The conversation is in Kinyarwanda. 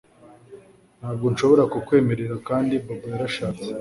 Ntabwo nshobora kukwemera kandi Bobo yarashatse